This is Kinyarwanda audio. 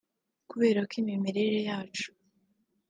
Kubera ko imirire yacu